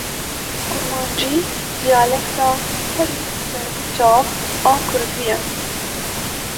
Kurmancî dialekta herî berbiçav a Kurdî ye.